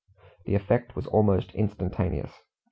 The effect was almost instantaneous.